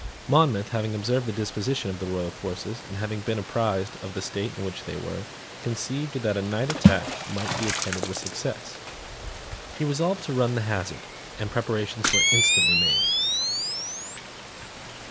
Monmouth, having observed the disposition of the royal forces, and having been apprised of the state in which they were, conceived that a night attack might be attended with success. He resolved to run the hazard; and preparations were instantly made.